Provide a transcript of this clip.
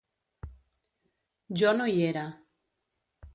Jo no hi era.